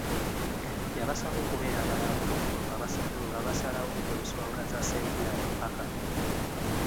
Yabasaba okubeera abalambulukufu nga basalawo ku nsonga za Centinary paaka.